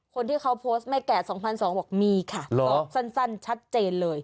คนที่เขาโพสต์แม่แก่๒๒๐๐บอกมีค่ะตอบสั้นชัดเจนเลย